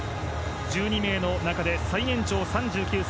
１２名の中で最年長の３９歳。